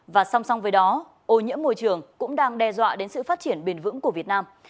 và song song với đó ô nhiễm môi trường cũng đang đe dọa đến sự phát triển bền vững của việt nam